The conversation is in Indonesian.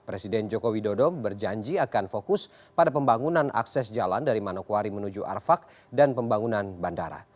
presiden joko widodo berjanji akan fokus pada pembangunan akses jalan dari manokwari menuju arfak dan pembangunan bandara